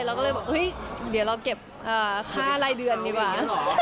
เราก็เลยบอกเฮ้ยเดี๋ยวเราเก็บค่ารายเดือนดีกว่า